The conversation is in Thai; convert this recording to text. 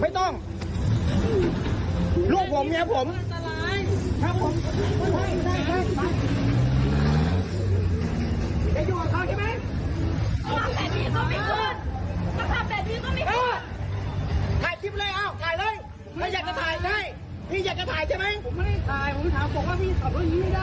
ดิถ้าอยากจะถ่ายก็ถ่าย